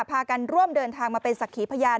พากันร่วมเดินทางมาเป็นสักขีพยาน